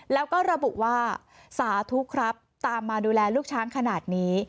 แล้วก็ระบุว่าสาธุครับตามมาดูแลลูกช้างขนาดนี้